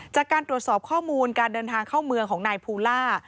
จากการตรวจสอบข้อมูลการเดินทางเข้าเมืองของนายภูล่า